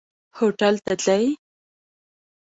هوټل ته ځئ؟